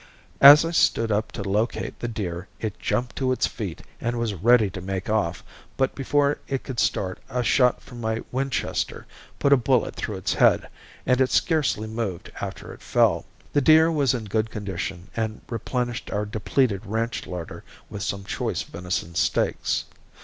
As I stood up to locate the deer it jumped to its feet and was ready to make off, but before it could start a shot from my Winchester put a bullet through its head, and it scarcely moved after it fell. The deer was in good condition and replenished our depleted ranch larder with some choice venison steaks.